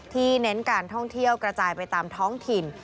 เน้นการท่องเที่ยวกระจายไปตามท้องถิ่น